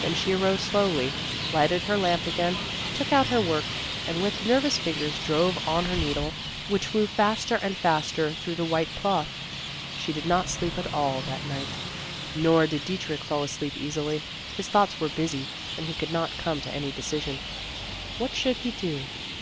Then she arose slowly, lighted her lamp again, took out her work and with nervous fingers drove on her needle, which flew faster and faster through the white cloth. She did not sleep at all that night. Nor did Dietrich fall asleep easily. His thoughts were busy and he could not come to any decision. What should he do?